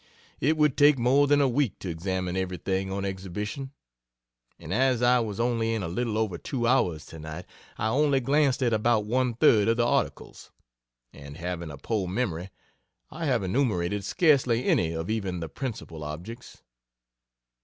It would take more than a week to examine everything on exhibition; and as I was only in a little over two hours tonight, I only glanced at about one third of the articles; and having a poor memory; I have enumerated scarcely any of even the principal objects.